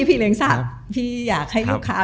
คือพี่รู้สึกว่า